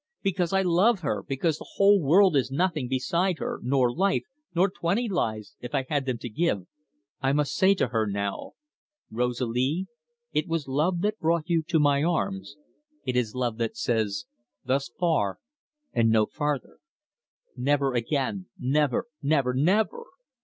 Because I love her, because the whole world is nothing beside her, nor life, nor twenty lives, if I had them to give, I must say to her now: 'Rosalie, it was love that brought you to my arms, it is love that says, Thus far and no farther. Never again never never never!